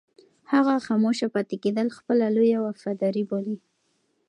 هغه خاموشه پاتې کېدل خپله لویه وفاداري بولي.